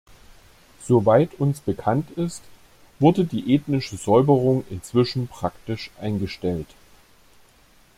Soweit uns bekannt ist, wurde die ethnische Säuberung inzwischen praktisch eingestellt.